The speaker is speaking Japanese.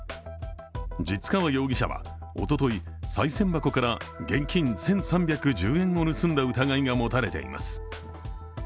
実川容疑者は、おとといさい銭箱から現金１３１０円を盗んだ疑いが持たれています。